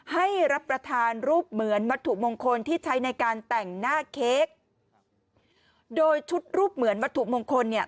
ให้รับประทานรูปเหมือนวัตถุมงคลที่ใช้ในการแต่งหน้าเค้กโดยชุดรูปเหมือนวัตถุมงคลเนี่ย